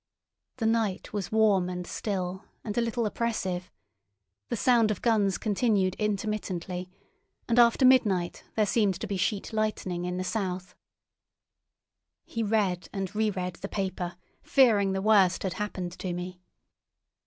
The night was warm and still, and a little oppressive; the sound of guns continued intermittently, and after midnight there seemed to be sheet lightning in the south. He read and re read the paper, fearing the worst had happened to me.